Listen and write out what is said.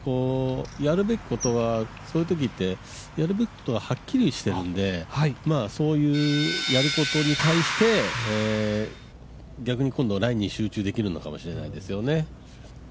そういうときって、やるべきことははっきりしてるのでそういうやることに対して逆に今度ラインに集中できるのかもしれませんね。